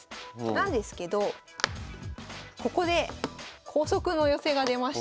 なんですけどここで光速の寄せが出ました。